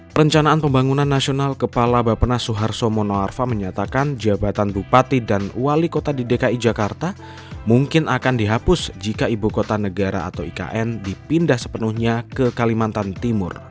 perencanaan pembangunan nasional kepala bapenas suharto mono arfa menyatakan jabatan bupati dan wali kota di dki jakarta mungkin akan dihapus jika ibu kota negara atau ikn dipindah sepenuhnya ke kalimantan timur